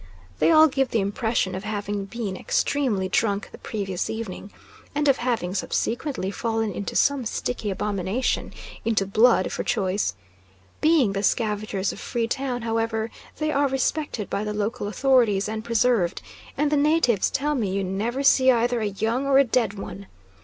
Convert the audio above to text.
They all give the impression of having been extremely drunk the previous evening, and of having subsequently fallen into some sticky abomination into blood for choice. Being the scavengers of Free Town, however, they are respected by the local authorities and preserved; and the natives tell me you never see either a young or a dead one.